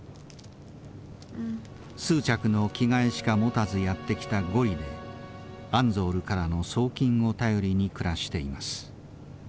数着の着替えしか持たずやって来たゴリでアンゾールからの送金を頼りに暮らしています。